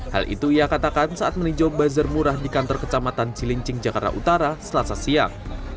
hal itu ia katakan saat meninjau bazar murah di kantor kecamatan cilincing jakarta utara selasa siang